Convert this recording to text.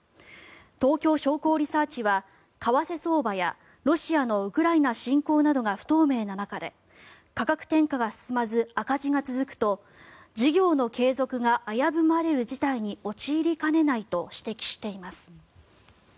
東京商工リサーチは為替相場やロシアのウクライナ侵攻などが不透明な中で価格転嫁が進まず赤字が続くと事業の継続が危ぶまれる事態に陥りかねないと指摘しています。